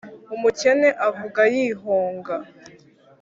umukene avuga yihonga